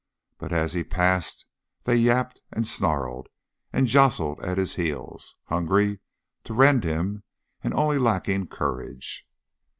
But as he passed they yapped and snarled and jostled at his heels, hungry to rend him and only lacking courage.